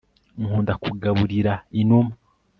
nkunda kugaburira inuma